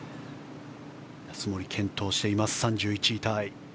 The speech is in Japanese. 安森、健闘しています３１位タイ。